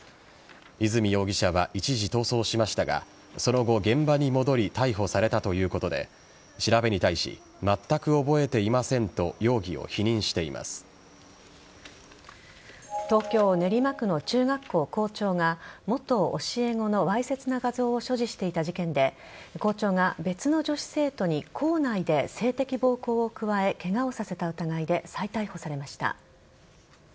泉容疑者は一時逃走しましたがその後、現場に戻り逮捕されたということで調べに対しまったく覚えていませんと東京・練馬区の中学校校長が元教え子のわいせつな画像を所持していた事件で校長が別の女子生徒に校内で性的暴行を加えケガをさせた疑いで再逮捕されました。